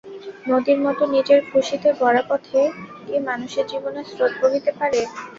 নদীর মতো নিজের খুশিতে গড়া পথে কি মানুষের জীবনের স্রোত বহিতে পারে?